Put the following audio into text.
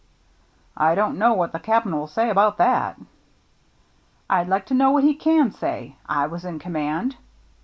" I don't know what the Cap'n will say about that." " I'd like to know what he can say. I was in command."